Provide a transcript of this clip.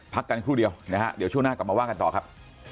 พักกันครู่เดียวนะฮะเดี๋ยวช่วงหน้ากลับมาว่ากันต่อครับ